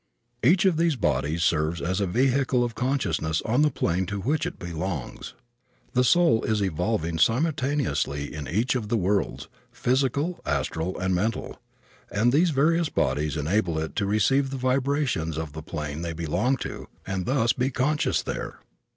Each of these bodies serves as a vehicle of consciousness on the plane to which it belongs. The soul is evolving simultaneously in each of the worlds, physical, astral and mental, and these various bodies enable it to receive the vibrations of the plane they belong to and thus to be conscious there.